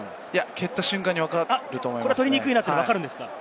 蹴った瞬間に分かると思います。